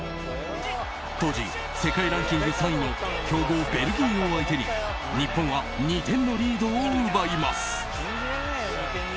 当時、世界ランキング３位の強豪ベルギーを相手に日本は２点のリードを奪います。